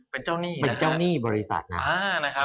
เป็นเจ้าหนี้บริษัทนะ